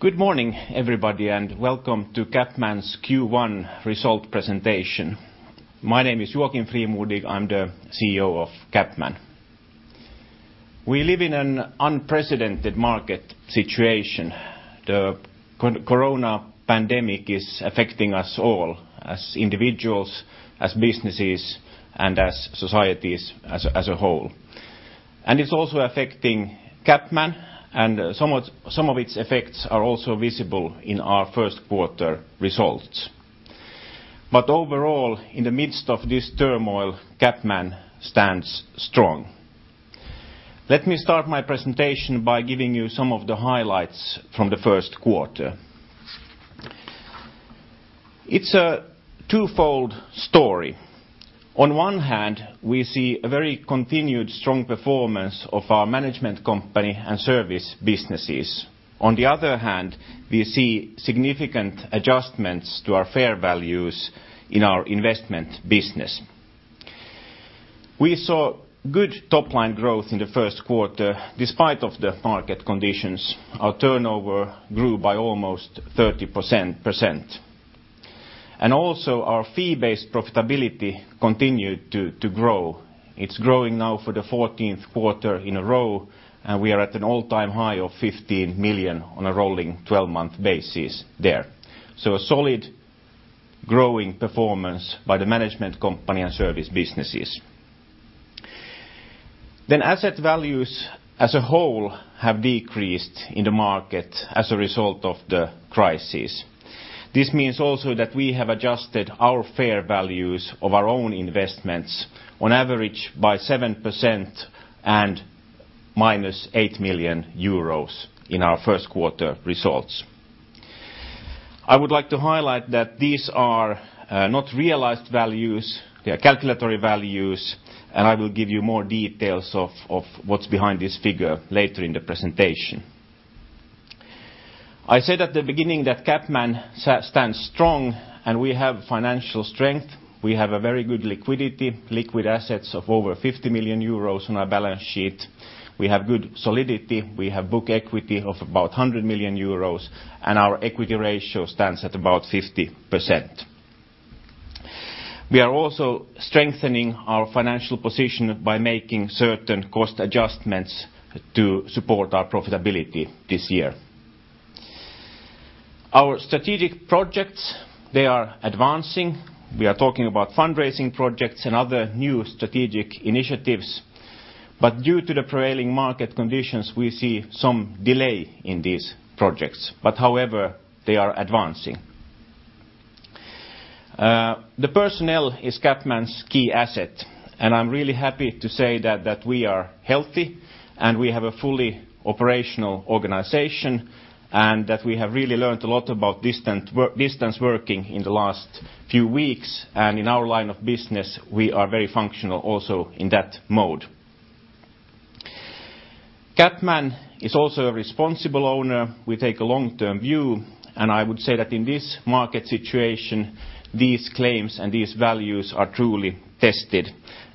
Good morning, everybody, and welcome to CapMan's Q1 result presentation. My name is Joakim Frimodig, I'm the CEO of CapMan. We live in an unprecedented market situation. The corona pandemic is affecting us all, as individuals, as businesses, and as societies as a whole. And it's also affecting CapMan, and some of its effects are also visible in our first quarter results. But overall, in the midst of this turmoil, CapMan stands strong. Let me start my presentation by giving you some of the highlights from the first quarter. It's a twofold story. On one hand, we see a very continued strong performance of our management company and service businesses. On the other hand, we see significant adjustments to our fair values in our investment business. We saw good top-line growth in the first quarter despite the market conditions. Our turnover grew by almost 30%. Also, our fee-based profitability continued to grow. It's growing now for the 14th quarter in a row, and we are at an all-time high of 15 million on a rolling 12-month basis there. A solid growing performance by the management company and service businesses. Asset values as a whole have decreased in the market as a result of the crisis. This means also that we have adjusted our fair values of our own investments on average by 7% and -8 million euros in our first quarter results. I would like to highlight that these are not realized values. They are calculatory values, and I will give you more details of what's behind this figure later in the presentation. I said at the beginning that CapMan stands strong, and we have financial strength. We have very good liquidity, liquid assets of over 50 million euros on our balance sheet. We have good solidity, we have book equity of about 100 million euros, and our equity ratio stands at about 50%. We are also strengthening our financial position by making certain cost adjustments to support our profitability this year. Our strategic projects, they are advancing. We are talking about fundraising projects and other new strategic initiatives, but due to the prevailing market conditions, we see some delay in these projects. But however, they are advancing. The personnel is CapMan's key asset, and I'm really happy to say that we are healthy and we have a fully operational organization, and that we have really learned a lot about distance working in the last few weeks, and in our line of business, we are very functional also in that mode. CapMan is also a responsible owner. We take a long-term view, and I would say that in this market situation, these claims and these values are truly tested,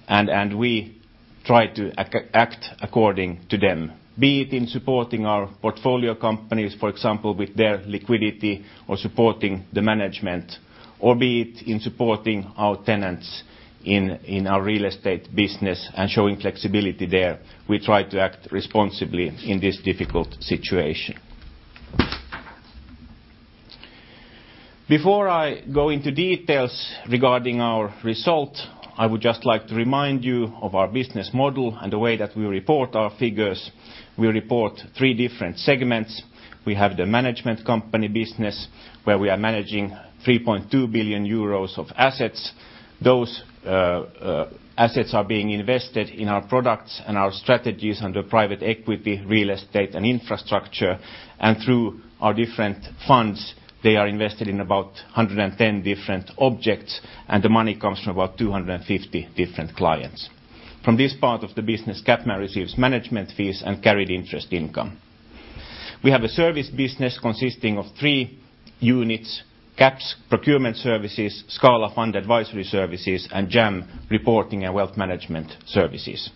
and we try to act according to them. Be it in supporting our portfolio companies, for example, with their liquidity, or supporting the management, or be it in supporting our tenants in our real estate business and showing flexibility there, we try to act responsibly in this difficult situation. Before I go into details regarding our result, I would just like to remind you of our business model and the way that we report our figures. We report three different segments. We have the management company business, where we are managing 3.2 billion euros of assets. Those assets are being invested in our products and our strategies under private equity, real estate, and infrastructure. Through our different funds, they are invested in about 110 different objects, and the money comes from about 250 different clients. From this part of the business, CapMan receives management fees and carried interest income. We have a service business consisting of three units: CaPS, procurement services, Scala Fund Advisory Services, and JAM, reporting and wealth management services.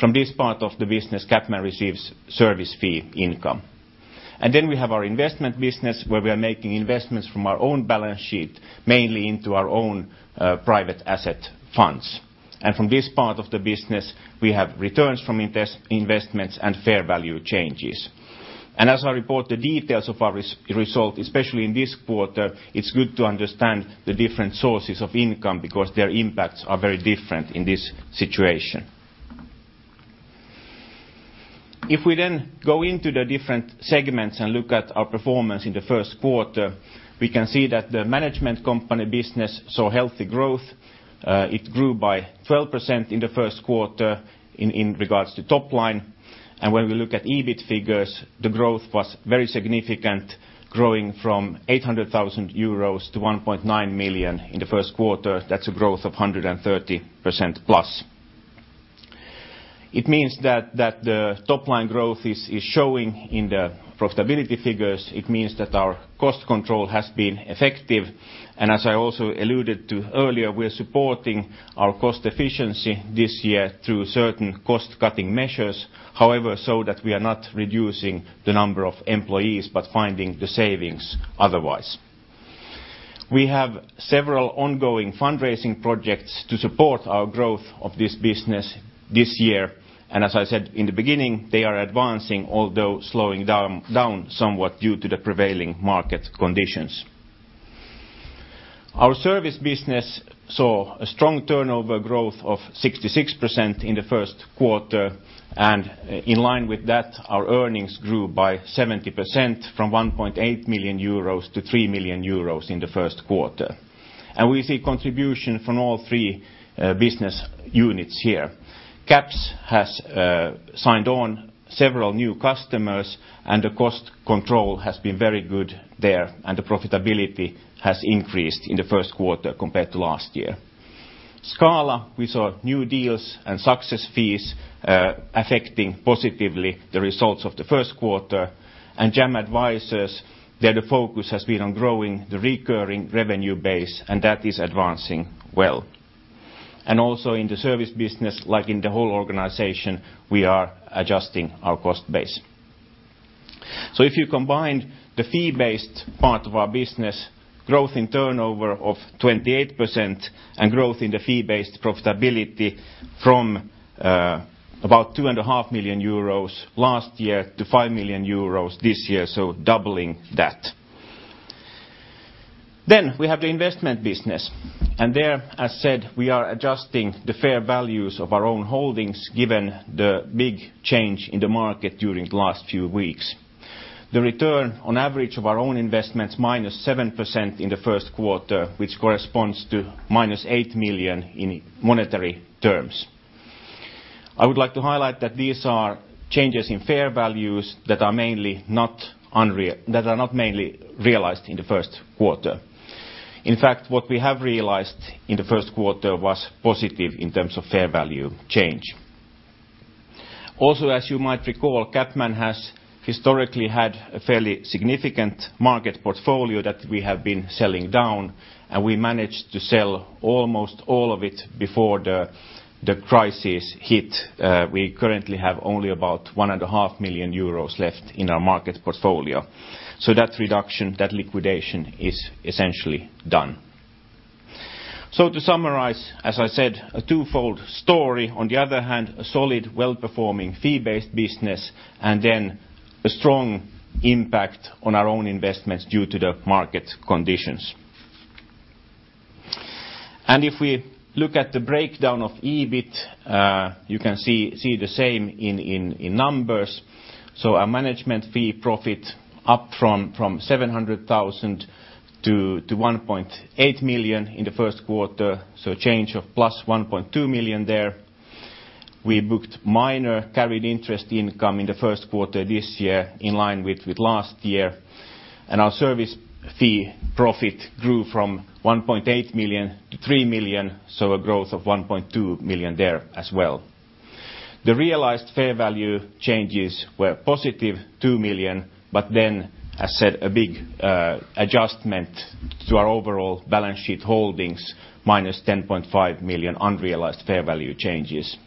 From this part of the business, CapMan receives service fee income. Then we have our investment business, where we are making investments from our own balance sheet, mainly into our own private asset funds. From this part of the business, we have returns from investments and fair value changes. As I report the details of our result, especially in this quarter, it's good to understand the different sources of income because their impacts are very different in this situation. If we then go into the different segments and look at our performance in the first quarter, we can see that the management company business saw healthy growth. It grew by 12% in the first quarter in regards to top line, and when we look at EBIT figures, the growth was very significant, growing from 800,000 euros to 1.9 million in the first quarter. That's a growth of 130% plus. It means that the top line growth is showing in the profitability figures. It means that our cost control has been effective, and as I also alluded to earlier, we are supporting our cost efficiency this year through certain cost-cutting measures. However, so that we are not reducing the number of employees, but finding the savings otherwise. We have several ongoing fundraising projects to support our growth of this business this year. And as I said in the beginning, they are advancing, although slowing down somewhat due to the prevailing market conditions. Our service business saw a strong turnover growth of 66% in the first quarter. And in line with that, our earnings grew by 70% from 1.8 million euros 3 million euros in the first quarter. And we see contribution from all three business units here. CaPS has signed on several new customers, and the cost control has been very good there, and the profitability has increased in the first quarter compared to last year. Scala, we saw new deals and success fees affecting positively the results of the first quarter. And JAM Advisors, there the focus has been on growing the recurring revenue base, and that is advancing well. And also in the service business, like in the whole organization, we are adjusting our cost base. So if you combine the fee-based part of our business, growth in turnover of 28%, and growth in the fee-based profitability from about 2.5 million euros last year to 5 million euros this year, so doubling that. Then we have the investment business, and there, as said, we are adjusting the fair values of our own holdings given the big change in the market during the last few weeks. The return on average of our own investments minus 7% in the first quarter, which corresponds to minus 8 million in monetary terms. I would like to highlight that these are changes in fair values that are mainly not realized in the first quarter. In fact, what we have realized in the first quarter was positive in terms of fair value change. Also, as you might recall, CapMan has historically had a fairly significant market portfolio that we have been selling down, and we managed to sell almost all of it before the crisis hit. We currently have only about 1.5 million euros left in our market portfolio. So that reduction, that liquidation is essentially done. So to summarize, as I said, a twofold story. On the other hand, a solid, well-performing fee-based business, and then a strong impact on our own investments due to the market conditions. And if we look at the breakdown of EBIT, you can see the same in numbers. So our management fee profit up from 700,000 to 1.8 million in the first quarter, so a change of plus 1.2 million there. We booked minor carried interest income in the first quarter this year in line with last year. Our service fee profit grew from 1.8 million to 3 million, so a growth of 1.2 million there as well. The realized fair value changes were positive, 2 million, but then, as said, a big adjustment to our overall balance sheet holdings, minus 10.5 million unrealized fair value changes.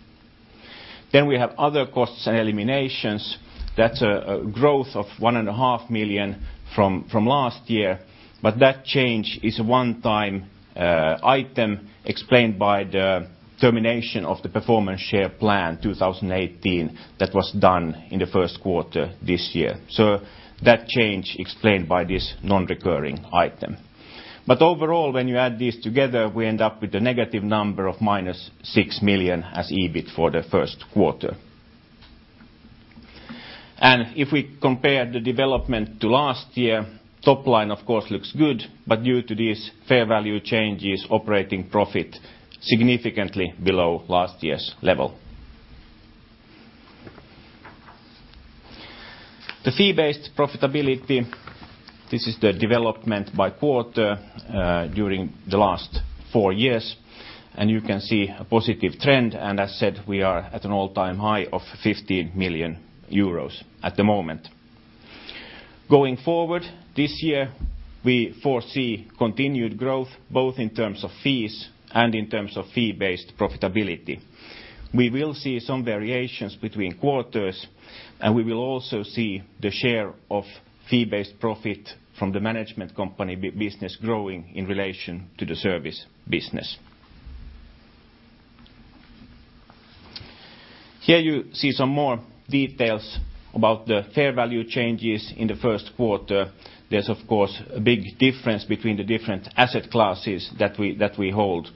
Then we have other costs and eliminations. That's a growth of 1.5 million from last year, but that change is a one-time item explained by the termination of the performance share plan 2018 that was done in the first quarter this year. So that change explained by this non-recurring item. But overall, when you add these together, we end up with a negative number of minus 6 million as EBIT for the first quarter. If we compare the development to last year, top line, of course, looks good, but due to these fair value changes, operating profit significantly below last year's level. The fee-based profitability, this is the development by quarter during the last four years, and you can see a positive trend. As said, we are at an all-time high of 15 million euros at the moment. Going forward this year, we foresee continued growth both in terms of fees and in terms of fee-based profitability. We will see some variations between quarters, and we will also see the share of fee-based profit from the management company business growing in relation to the service business. Here you see some more details about the fair value changes in the first quarter. There's, of course, a big difference between the different asset classes that we hold.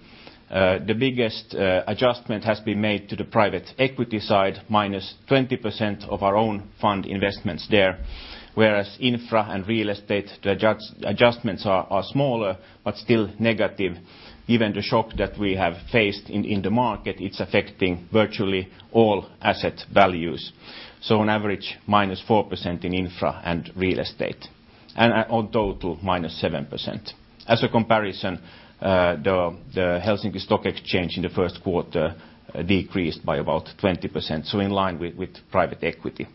The biggest adjustment has been made to the private equity side, minus 20% of our own fund investments there, whereas infra and real estate, the adjustments are smaller, but still negative. Given the shock that we have faced in the market, it's affecting virtually all asset values. So on average, minus 4% in infra and real estate, and on total, -7%. As a comparison, the Helsinki Stock Exchange in the first quarter decreased by about 20%, so in line with private equity.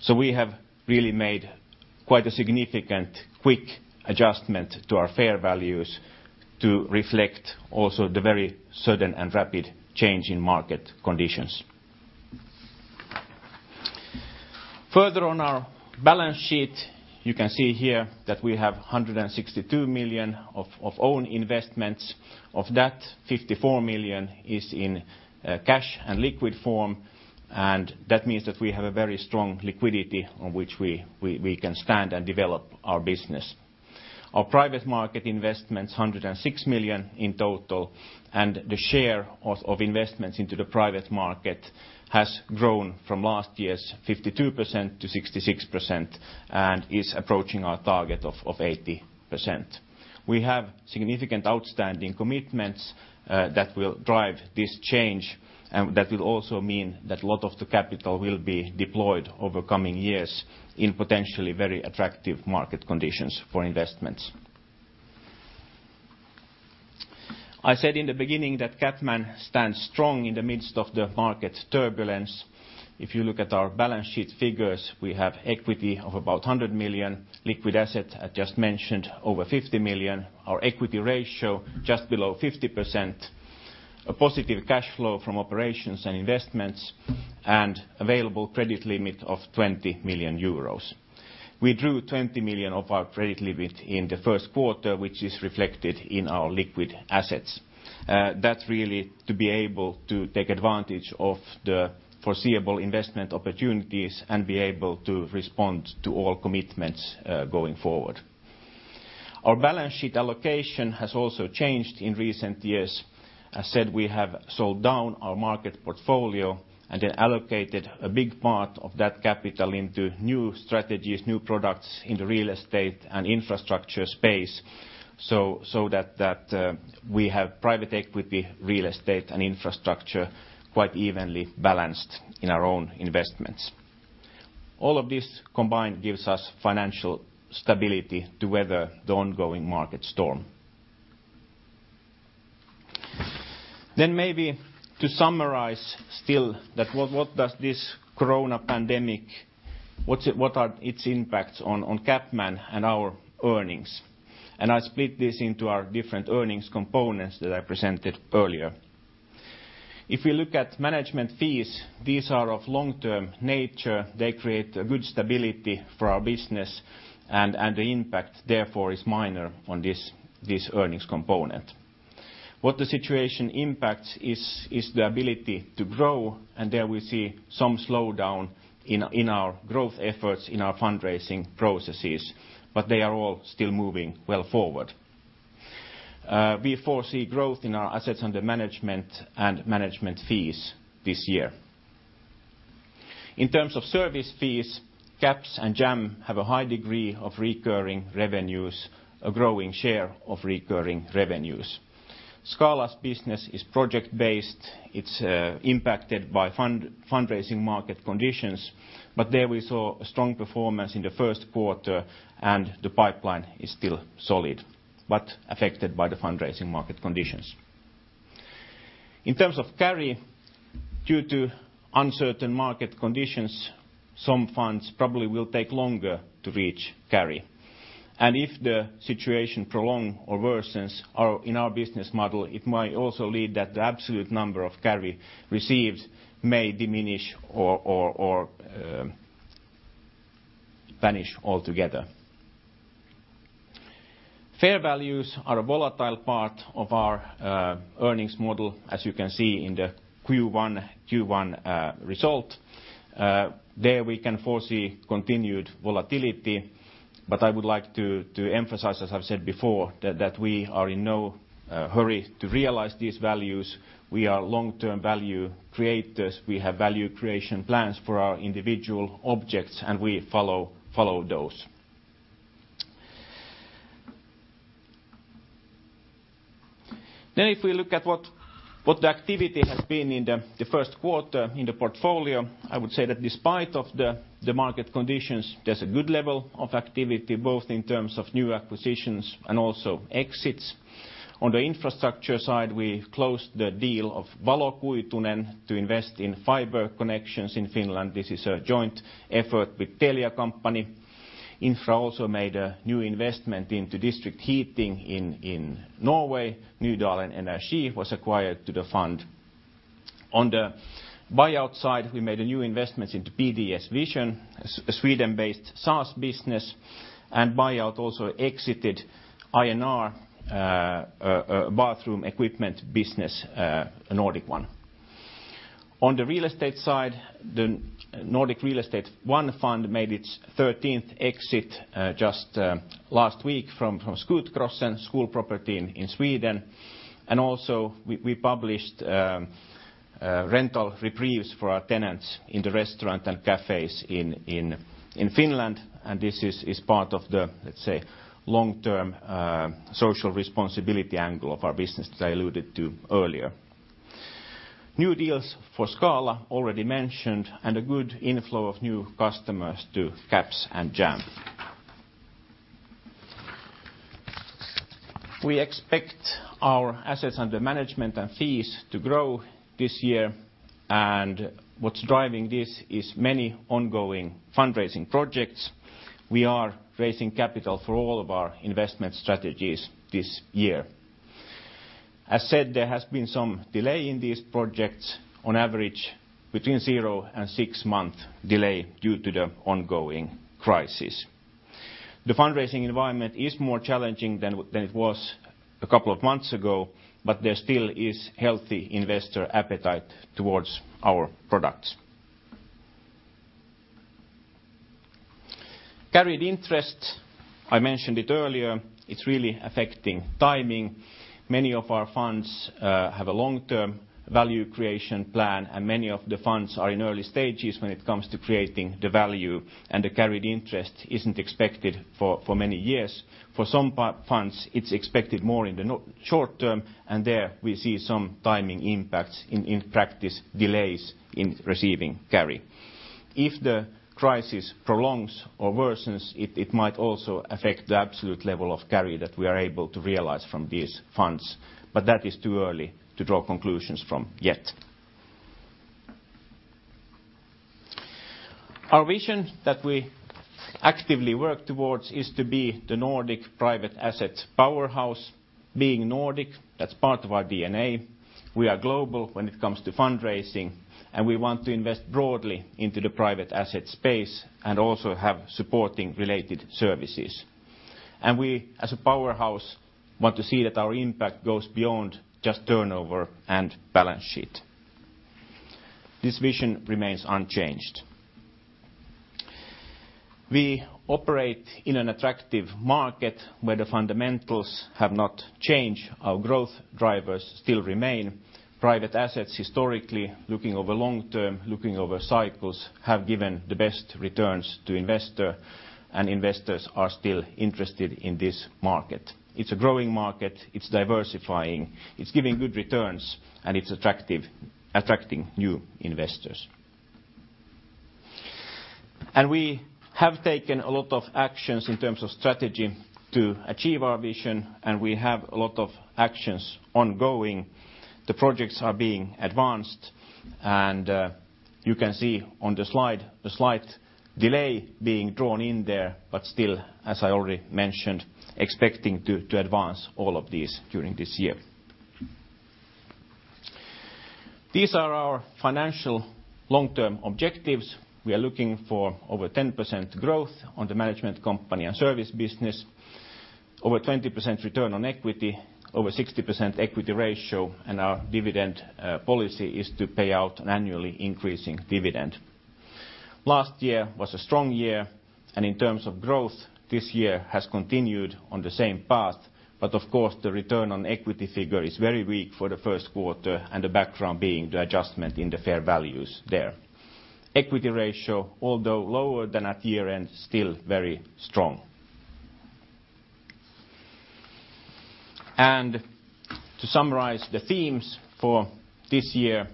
So we have really made quite a significant quick adjustment to our fair values to reflect also the very sudden and rapid change in market conditions. Further on our balance sheet, you can see here that we have 162 million of own investments. Of that, 54 million is in cash and liquid form, and that means that we have a very strong liquidity on which we can stand and develop our business. Our private market investments, 106 million in total, and the share of investments into the private market has grown from last year's 52%-66% and is approaching our target of 80%. We have significant outstanding commitments that will drive this change, and that will also mean that a lot of the capital will be deployed over coming years in potentially very attractive market conditions for investments. I said in the beginning that CapMan stands strong in the midst of the market turbulence. If you look at our balance sheet figures, we have equity of about 100 million, liquid assets, as just mentioned, over 50 million, our equity ratio just below 50%, a positive cash flow from operations and investments, and available credit limit of 20 million euros. We drew 20 million of our credit limit in the first quarter, which is reflected in our liquid assets. That's really to be able to take advantage of the foreseeable investment opportunities and be able to respond to all commitments going forward. Our balance sheet allocation has also changed in recent years. As said, we have sold down our market portfolio and then allocated a big part of that capital into new strategies, new products in the real estate and infrastructure space, so that we have private equity, real estate, and infrastructure quite evenly balanced in our own investments. All of this combined gives us financial stability to weather the ongoing market storm. Then maybe to summarize still that what does this corona pandemic, what are its impacts on CapMan and our earnings? And I split this into our different earnings components that I presented earlier. If we look at management fees, these are of long-term nature. They create a good stability for our business, and the impact, therefore, is minor on this earnings component. What the situation impacts is the ability to grow, and there we see some slowdown in our growth efforts, in our fundraising processes, but they are all still moving well forward. We foresee growth in our assets under management and management fees this year. In terms of service fees, CaPS and JAM have a high degree of recurring revenues, a growing share of recurring revenues. Scala's business is project-based. It's impacted by fundraising market conditions, but there we saw a strong performance in the first quarter, and the pipeline is still solid, but affected by the fundraising market conditions. In terms of carry, due to uncertain market conditions, some funds probably will take longer to reach carry. And if the situation prolongs or worsens in our business model, it might also lead that the absolute number of carry received may diminish or vanish altogether. Fair values are a volatile part of our earnings model, as you can see in the Q1 result. There we can foresee continued volatility, but I would like to emphasize, as I've said before, that we are in no hurry to realize these values. We are long-term value creators. We have value creation plans for our individual objects, and we follow those. If we look at what the activity has been in the first quarter in the portfolio, I would say that despite the market conditions, there's a good level of activity, both in terms of new acquisitions and also exits. On the infrastructure side, we closed the deal of Valokuitunen to invest in fiber connections in Finland. This is a joint effort with Telia Company. Infra also made a new investment into district heating in Norway. Nydalen Energi was acquired to the fund. On the buyout side, we made a new investment into PDSVISION, a Sweden-based SaaS business, and buyout also exited INR bathroom equipment business, a Nordic one. On the real estate side, the Nordic Real Estate One Fund made its 13th exit just last week from Skutskärs, a school property in Sweden. And also we published rental reprieves for our tenants in the restaurants and cafes in Finland, and this is part of the, let's say, long-term social responsibility angle of our business that I alluded to earlier. New deals for Scala, already mentioned, and a good inflow of new customers to CAPS and JAM. We expect our assets under management and fees to grow this year, and what's driving this is many ongoing fundraising projects. We are raising capital for all of our investment strategies this year. As said, there has been some delay in these projects, on average between zero and six months delay due to the ongoing crisis. The fundraising environment is more challenging than it was a couple of months ago, but there still is healthy investor appetite towards our products. Carried interest, I mentioned it earlier, it's really affecting timing. Many of our funds have a long-term value creation plan, and many of the funds are in early stages when it comes to creating the value, and the carried interest isn't expected for many years. For some funds, it's expected more in the short term, and there we see some timing impacts in practice, delays in receiving carry. If the crisis prolongs or worsens, it might also affect the absolute level of carry that we are able to realize from these funds, but that is too early to draw conclusions from yet. Our vision that we actively work towards is to be the Nordic private asset powerhouse. Being Nordic, that's part of our DNA. We are global when it comes to fundraising, and we want to invest broadly into the private asset space and also have supporting related services. We, as a powerhouse, want to see that our impact goes beyond just turnover and balance sheet. This vision remains unchanged. We operate in an attractive market where the fundamentals have not changed. Our growth drivers still remain. Private assets, historically, looking over long term, looking over cycles, have given the best returns to investors, and investors are still interested in this market. It's a growing market. It's diversifying. It's giving good returns, and it's attracting new investors. We have taken a lot of actions in terms of strategy to achieve our vision, and we have a lot of actions ongoing. The projects are being advanced, and you can see on the slide the slight delay being drawn in there, but still, as I already mentioned, expecting to advance all of these during this year. These are our financial long-term objectives. We are looking for over 10% growth on the management company and service business, over 20% return on equity, over 60% equity ratio, and our dividend policy is to pay out an annually increasing dividend. Last year was a strong year, and in terms of growth, this year has continued on the same path, but of course, the return on equity figure is very weak for the first quarter, and the background being the adjustment in the fair values there. Equity ratio, although lower than at year-end, still very strong. And to summarize the themes for this year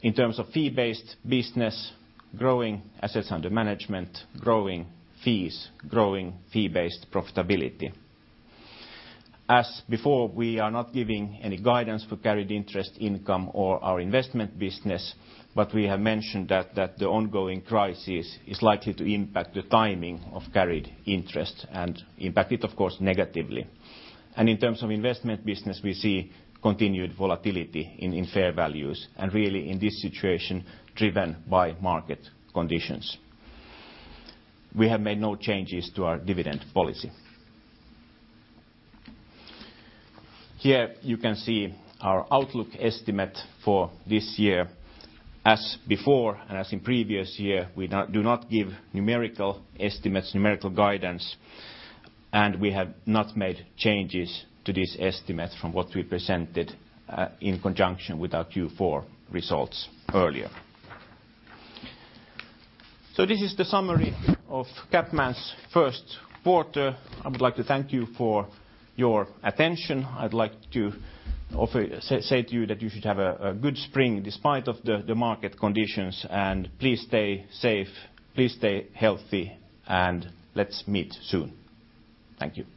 in terms of fee-based business, growing assets under management, growing fees, growing fee-based profitability. As before, we are not giving any guidance for carried interest income or our investment business, but we have mentioned that the ongoing crisis is likely to impact the timing of carried interest and impact it, of course, negatively, and in terms of investment business, we see continued volatility in fair values and really in this situation driven by market conditions. We have made no changes to our dividend policy. Here you can see our outlook estimate for this year. As before and as in previous year, we do not give numerical estimates, numerical guidance, and we have not made changes to this estimate from what we presented in conjunction with our Q4 results earlier, so this is the summary of CapMan's first quarter. I would like to thank you for your attention. I'd like to say to you that you should have a good spring despite the market conditions, and please stay safe, please stay healthy, and let's meet soon. Thank you.